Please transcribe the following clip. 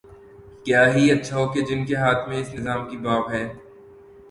کیا ہی اچھا ہو کہ جن کے ہاتھ میں اس نظام کی باگ ہے۔